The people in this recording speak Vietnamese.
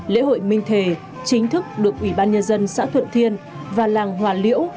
lễ hội minh thề chính thức được ủy ban nhân dân xã thuận thiên và làng hòa liễu